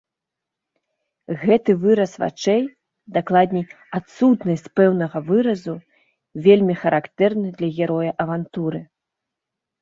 Гэты выраз вачэй, дакладней, адсутнасць пэўнага выразу, вельмі характэрны для героя авантуры.